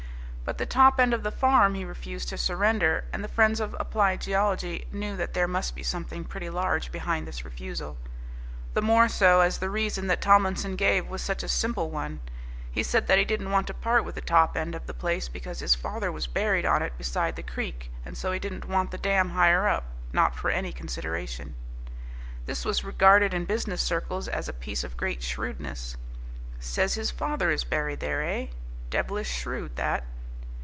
But the top end of the farm he refused to surrender, and the friends of applied geology knew that there must be something pretty large behind this refusal; the more so as the reason that Tomlinson gave was such a simple one. He said that he didn't want to part with the top end of the place because his father was buried on it beside the creek, and so he didn't want the dam higher up, not for any consideration. This was regarded in business circles as a piece of great shrewdness. "Says his father is buried there, eh? Devilish shrewd that!"